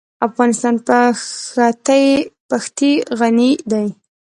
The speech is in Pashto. افغانستان په ښتې غني دی.